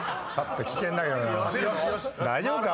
大丈夫か？